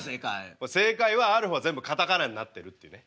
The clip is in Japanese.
正解はある方は全部カタカナになってるっていうね。